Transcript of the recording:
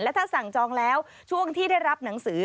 ถ้าสั่งจองแล้วช่วงที่ได้รับหนังสือ